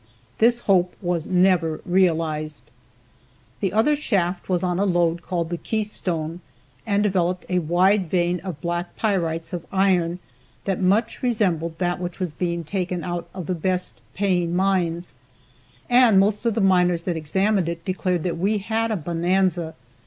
This hope was never realized. The other shaft was on a lode called the Keystone, and developed a wide vein of black pyrites of iron that much resembled that which was being taken out of the best paying mines, and most of the miners that examined it declared that we had a bonanza.